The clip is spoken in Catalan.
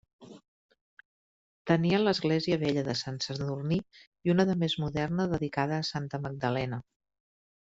Tenia l'església vella de Sant Sadurní i una de més moderna dedicada a Santa Magdalena.